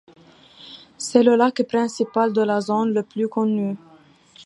C'est le lac principal de la zone, le plus connu.